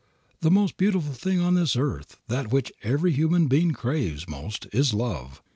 The most beautiful thing on this earth, that which every human being craves most is love.